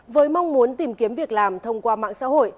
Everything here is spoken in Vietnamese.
với mong muốn tìm kiếm việc làm thông qua mạng xã hội